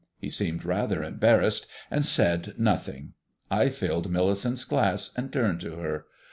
He seemed rather embarrassed, and said nothing. I filled Millicent's glass, and turned to her.